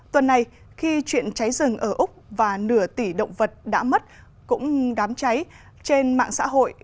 tuần này khi chuyện cháy rừng ở úc và nửa tỷ động vật đã mất cũng đám cháy trên mạng xã hội